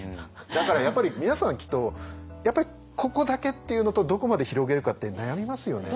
だからやっぱり皆さんはきっとやっぱりここだけっていうのとどこまで広げるかって悩みますよね。